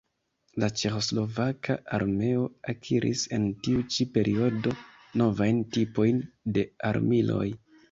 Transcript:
La ĉeĥoslovaka armeo akiris en tiu ĉi periodo novajn tipojn de armiloj.